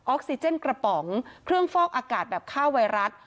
ออกซิเจนกระป๋องเครื่องฟอกอากาศแบบฆ่าไวรัส